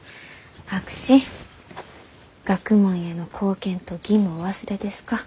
博士学問への貢献と義務をお忘れですか？